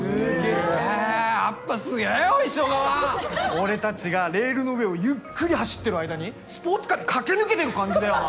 俺たちがレールの上をゆっくり走ってる間にスポーツカーで駆け抜けてる感じだよな。